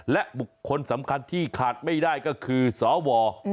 และบุคคลสำคัญที่ขาดไม่ได้ก็คือสว